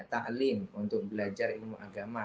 ta'lim untuk belajar ilmu agama